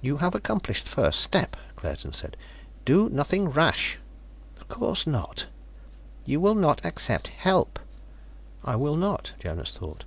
"You have accomplished the first step," Claerten said. "Do nothing rash." "Of course not." "You will not accept help " "I will not," Jonas thought.